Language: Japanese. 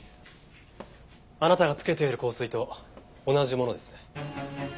あなたがつけている香水と同じものです。